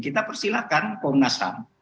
kita persilahkan komnas ham